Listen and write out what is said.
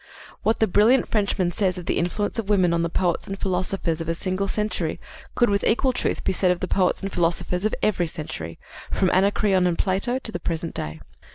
" What the brilliant Frenchman says of the influence of woman on the poets and philosophers of a single century could with equal truth be said of the poets and philosophers of every century from Anacreon and Plato to the present day.